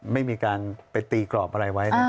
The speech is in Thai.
ไม่มีการไปตีกรอบอะไรไว้